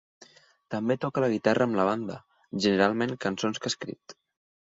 També toca la guitarra amb la banda, generalment cançons que ha escrit.